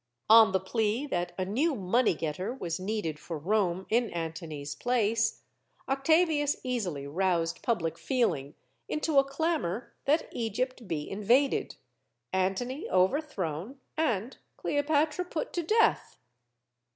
On the plea that a new money getter was needed for Rome in Antony's place, Octavius easily roused public feeling into a clamor that Egypt be invaded, Antony overthrown, and Cleopatra put to death.